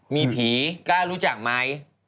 มีผีกล้ารู้จักไหม